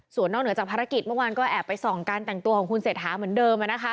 ส่วนนอกจากภารกิจเมื่อวานก็แอบไปส่องการแต่งตัวของคุณเสถาเหมือนเดิมอ่ะนะคะ